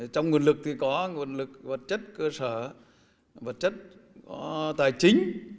trong nguồn lực thì có nguồn lực vật chất cơ sở vật chất có tài chính